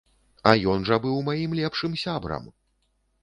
А ён жа быў маім лепшым сябрам!